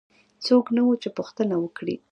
څوک نه وو چې پوښتنه وکړي.